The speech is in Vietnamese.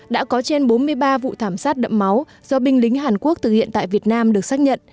đã có trên bốn mươi ba vụ thảm sát đậm máu do binh lính hàn quốc thực hiện tại việt nam được xác nhận